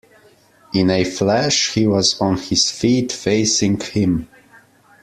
In a flash he was on his feet, facing him.